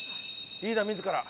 リーダー自ら。